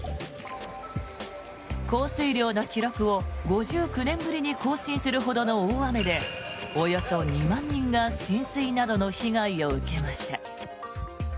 降水量の記録を５９年ぶりに更新するほどの大雨でおよそ２万人が浸水などの被害を受けました。